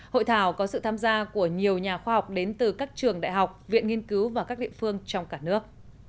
hội thảo có sự tham gia của nhiều nhà khoa học đến từ các trường đại học viện nghiên cứu và các địa phương trong cả nước